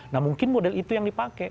nah mungkin model itu yang dipakai